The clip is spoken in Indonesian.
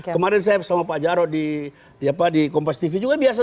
kemarin saya sama pak jarod di kompas tv juga biasa